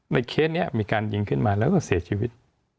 เคสนี้มีการยิงขึ้นมาแล้วก็เสียชีวิต